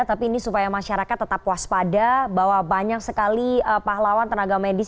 tapi ini supaya masyarakat tetap waspada bahwa banyak sekali pahlawan tenaga medis